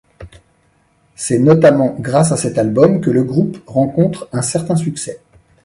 C'est notamment grâce à cet album que le groupe rencontre un certain succès.